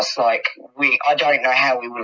saya tidak tahu bagaimana kita akan menangani